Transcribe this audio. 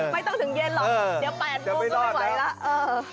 ไม่ต้องถึงเย็นหรอกเดี๋ยว๘โมงก็ไม่ไหวแล้ว